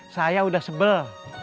saya udah sebel